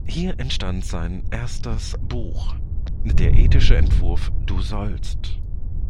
Hier entstand sein erstes Buch, der ethische Entwurf "Du sollst!